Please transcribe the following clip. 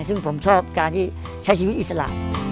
ซึ่งผมชอบการที่ใช้ชีวิตอิสระ